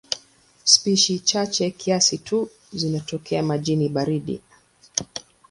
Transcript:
Spishi chache kiasi tu zinatokea majini baridi.